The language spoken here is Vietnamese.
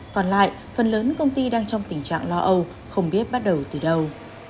còn lại phần lớn công ty đang trong tình trạng lo âu không biết bắt đầu từ đâu